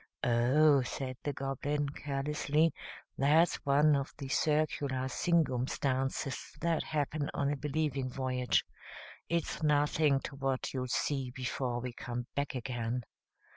"Oh," said the Goblin, carelessly, "that's one of the circular singumstances that happen on a Believing Voyage. It's nothing to what you'll see before we come back again.